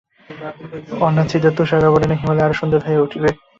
অনাচ্ছাদিত তুষারাবরণে হিমালয় আরও সুন্দর হয়ে উঠবে।